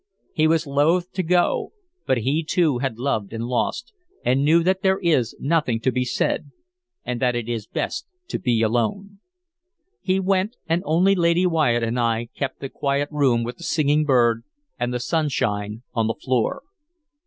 He was loath to go; but he too had loved and lost, and knew that there is nothing to be said, and that it is best to be alone. He went, and only Lady Wyatt and I kept the quiet room with the singing bird and the sunshine on the floor.